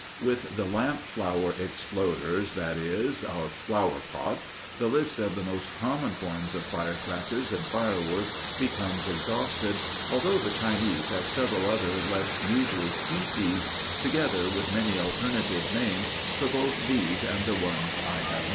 With the "lamp flower exploders," that is, our flower pot, the list of the most common forms of crackers and fire works becomes exhausted, although the Chinese have several other less usual species, together with many alternative names for both these and the ones I have mentioned.